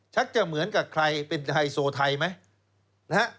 จะเหมือนกับใครเป็นไฮโซไทยไหม